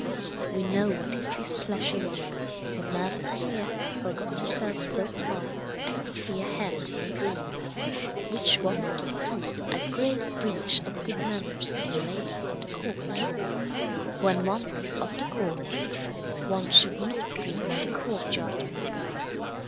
We know what his displeasure was when Madame Henriette forgot herself so far as to see a hen in a dream which was, indeed, a grave breach of good manners in a lady of the court. When one is of the court, one should not dream of the courtyard.